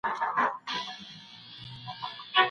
پارکونه د روغتیا لپاره ولي جوړیږي؟